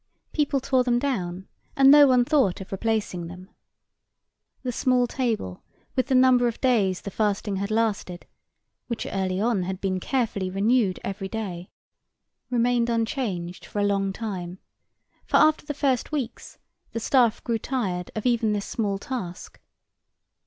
People tore them down, and no one thought of replacing them. The small table with the number of days the fasting had lasted, which early on had been carefully renewed every day, remained unchanged for a long time, for after the first weeks the staff grew tired of even this small task.